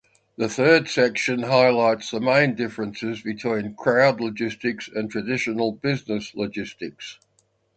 The third section highlights the main differences between crowd logistics and traditional business logistics.